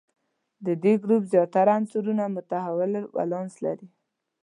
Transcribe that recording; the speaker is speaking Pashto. د دې ګروپ زیاتره عنصرونه متحول ولانس لري.